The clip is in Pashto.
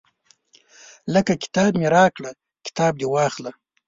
لکه کتاب مې راکړه کتاب دې واخله.